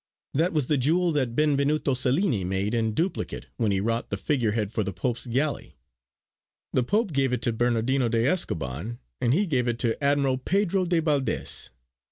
That was the jewel that Benvenuto Cellini made in duplicate when he wrought the figurehead for the Pope's galley. The Pope gave it to Bernardino de Escoban, and he gave it to Admiral Pedro de Valdes.